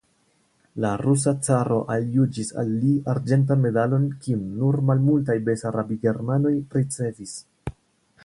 La rusa caro aljuĝis al li arĝentan medalon kiun nur malmultaj besarabigermanoj ricevis.